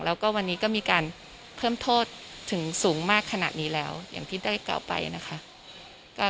แล้วก็วันนี้ก็มีการเพิ่มโทษถึงสูงมากขนาดนี้แล้วอย่างที่ได้กล่าวไปนะคะ